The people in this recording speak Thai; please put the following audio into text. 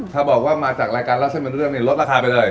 ถ้าบอกว่มาจากเรื่องเล่าเส้นเป็นเรื่องลดราคาไปเลย